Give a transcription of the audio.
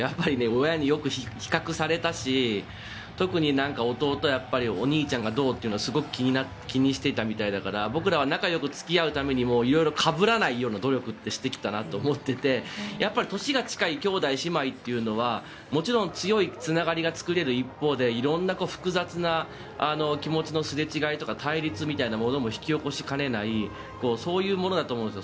親によく比較されたし特に弟はお兄ちゃんがどうというのをすごく気にしてたみたいだから僕らは仲良く付き合うためにいろいろかぶらない努力をしてきたなと思っていて年が近い兄弟、姉妹というのはもちろん、強いつながりが作れる一方でいろんな複雑な気持ちのすれ違いとか対立も引き起こしかねないそういうものだと思うんです。